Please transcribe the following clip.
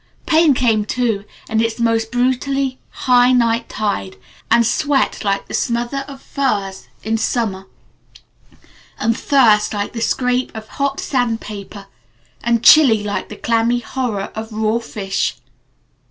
Pain came too, in its most brutally high night tide; and sweat, like the smother of furs in summer; and thirst like the scrape of hot sand paper; and chill like the clammy horror of raw fish.